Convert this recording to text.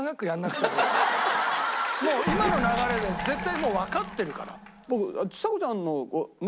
もう今の流れで絶対もうわかってるから。